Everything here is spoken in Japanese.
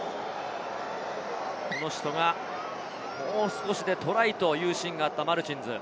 この人がもう少しでトライというシーンがあったマルチンズ。